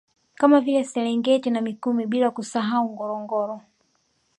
Kama vile Serengeti na Mikumi bila kusahau Ngorongoro